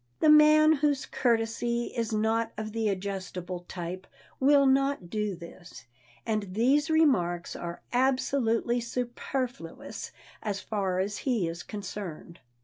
The man whose courtesy is not of the adjustable type will not do this, and these remarks are absolutely superfluous as far as he is concerned.